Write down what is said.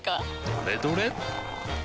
どれどれっ！